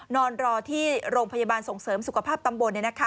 นอนรอที่โรงพยาบาลส่งเสริมสุขภาพตำบล